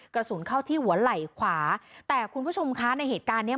กระสุนเข้าที่หัวไหล่ขวาแต่คุณผู้ชมคะในเหตุการณ์เนี้ย